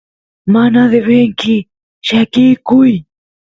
mana devenki llakikuy